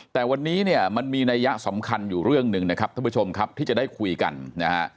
แต่วันนี้เนี่ยมันมีนัยยะสำคัญอยู่เรื่องหนึ่งนะครับท่านผู้ชมครับที่จะได้คุยกันนะฮะ